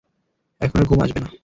এখন আর ঘুম আসবে না।